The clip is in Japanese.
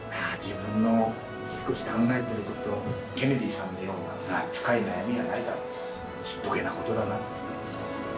この絵を見て、ああ、自分の少し考えていること、ケネディさんのような深い悩みはないだろうと、ちっぽけなことだなって。